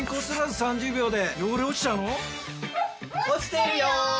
落ちてるよ！